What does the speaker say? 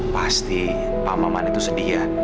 pasti pak maman itu sedia